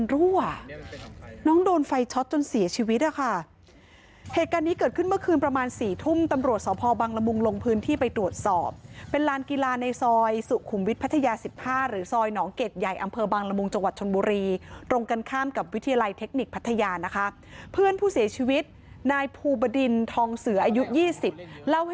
รั่วน้องโดนไฟช็อตจนเสียชีวิตนะคะเหตุการณ์นี้เกิดขึ้นเมื่อคืนประมาณสี่ทุ่มตำรวจสพบังละมุงลงพื้นที่ไปตรวจสอบเป็นลานกีฬาในซอยสุขุมวิทยพัทยาสิบห้าหรือซอยหนองเกดใหญ่อำเภอบังละมุงจังหวัดชนบุรีตรงกันข้ามกับวิทยาลัยเทคนิคพัทยานะคะเพื่อนผู้เสียชีวิตนายภูบดินทองเสืออายุยี่สิบเล่าให้